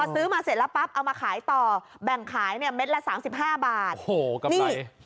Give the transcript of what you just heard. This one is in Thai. ซื้อมาเสร็จแล้วปั๊บเอามาขายต่อแบ่งขายเนี่ยเม็ดละ๓๕บาท